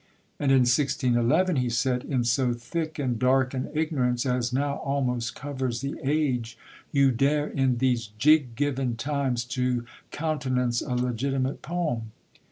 And in 1611 he said, "In so thick and dark an ignorance as now almost covers the age ... you dare, in these jig given times, to countenance a legitimate poem."